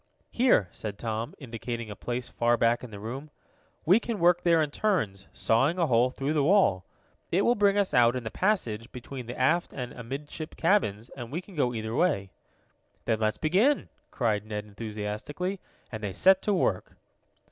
"Here," said Tom, indicating a place far back in the room. "We can work there in turns, sawing a hole through the wall. It will bring us out in the passage between the aft and amidship cabins, and we can go either way." "Then let's begin!" cried Ned enthusiastically, and they set to work.